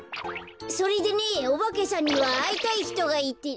それでねオバケさんにはあいたいひとがいて。